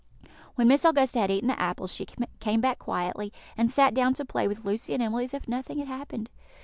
When Miss Augusta had eaten the apples, she came back quietly, and sat down to play with Lucy and Emily as if nothing had happened.